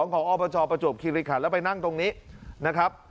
ของอบจประจวบคิริขันแล้วไปนั่งตรงนี้นะครับ